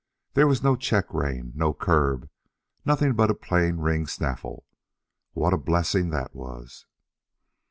There was no check rein, no curb, nothing but a plain ring snaffle. What a blessing that was!